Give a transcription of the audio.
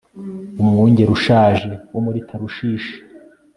umwungeri ushaje wo muri tarushishi